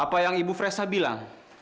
apa yang ibu fresa bilang